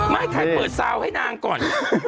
ไม่ใครเปิดซาวให้นางก่อน